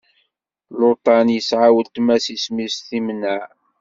Luṭan yesɛa weltma-s isem-is Timnaɛ.